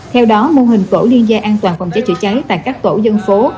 theo đó mô hình tổ liên gia an toàn phòng cháy chữa cháy tại các tổ dân phố